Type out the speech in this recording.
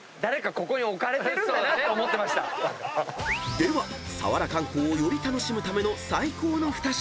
［では佐原観光をより楽しむための最高の２品］